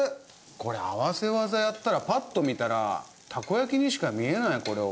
これ合わせ技やったらパッと見たらたこ焼きにしか見えないこれ。